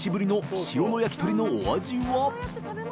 ↓屬蠅塩の焼き鳥のお味は？